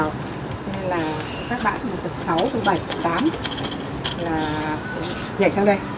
nên là các bạn từ sáu từ bảy từ tám là sẽ nhảy sang đây